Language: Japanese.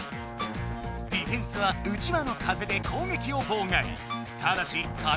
ディフェンスは「うちわ」の風で攻撃をぼうがい。